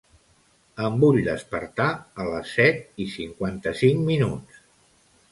Em vull despertar a les set i cinquanta-cinc minuts.